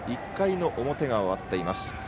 １回の表が終わっています。